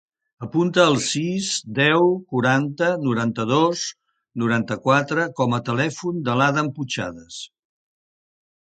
Apunta el sis, deu, quaranta, noranta-dos, noranta-quatre com a telèfon de l'Adam Puchades.